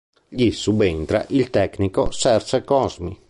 Gli subentra il tecnico Serse Cosmi.